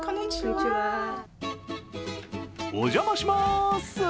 お邪魔します。